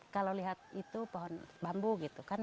kalau lihat itu pohon bambu gitu kan